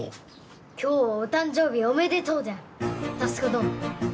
今日はお誕生日おめでとうである佑どの。